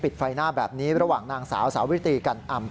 ไฟหน้าแบบนี้ระหว่างนางสาวสาวิตีกันอำ